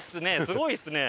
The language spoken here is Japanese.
すごいっすね。